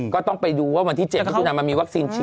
ก็ต้องไปดูว่าวันที่๗มิถุนามันมีวัคซีนฉีด